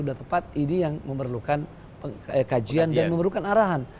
sudah tepat ini yang memerlukan kajian dan memerlukan arahan